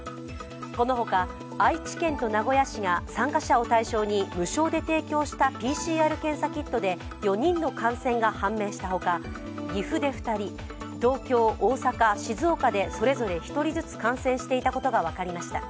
この他、愛知県と名古屋市が参加者を対象に無償で提供したＰＣＲ検査キットで４人の感染が判明したほか岐阜で２人東京、大阪、静岡でそれぞれ１人ずつ感染していたことが分かりました。